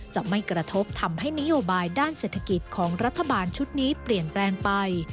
จะไม่กระทบทำให้นโยบายด้านเศรษฐกิจของรัฐบาลชุดนี้เปลี่ยนแปลงไป